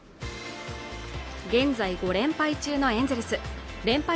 現在５連敗中のエンゼルス連敗